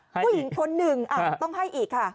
ผู้หญิงคนหนึ่งต้องให้อีกค่ะ